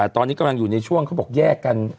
ตอนนี้กำลังอยู่ในช่วงเขาบอกแยกกัน